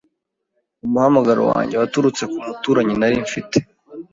umuhamagaro wanjye waturutse ku muturanyi nari mfite